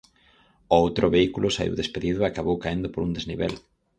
O outro vehículo saíu despedido e acabou caendo por un desnivel.